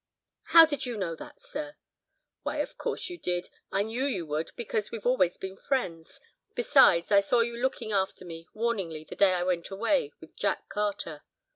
"How did you know that, sir?" "Why, of course you did. I knew you would because we've always been friends. Besides, I saw you looking after me warningly the day I went away with Jack Carter."